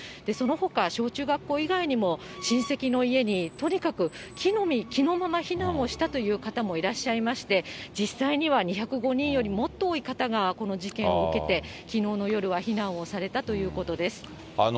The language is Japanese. そのほか、小中学校以外にも、親戚の家に、とにかく着のみ着のまま避難をしたという方もいらっしゃいまして、実際には２０５人よりもっと多い方がこの事件を受けて、きのうの夜は避難をされたということです。